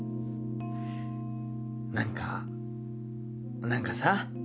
何か何かさ。